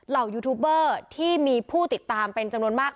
ยูทูบเบอร์ที่มีผู้ติดตามเป็นจำนวนมาก